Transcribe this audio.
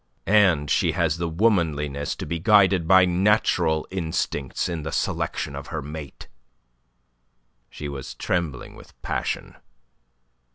And she has the womanliness to be guided by natural instincts in the selection of her mate." She was trembling with passion.